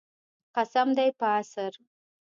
قسم دی په عصر.